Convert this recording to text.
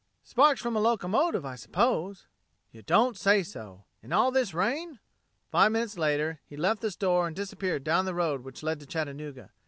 "Sparks from a locomotive, I suppose." "You don't say so in all this rain!" Five minutes later he left the store and disappeared down the road which led to Chattanooga.